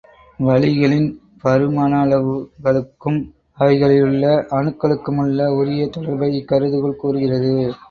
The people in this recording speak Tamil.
வளிகளின் பருமனளவுகளுக்கும் அவைகளிலுள்ள அணுக்களுக்குமுள்ள உரிய தொடர்பை இக்கருதுகோள் கூறுகிறது.